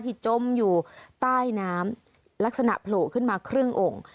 จมอยู่ใต้น้ำลักษณะโผล่ขึ้นมาครึ่งองค์